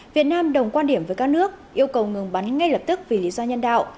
việt nam đồng quan điểm với các nước yêu cầu ngừng bắn ngay lập tức vì lý do nhân đạo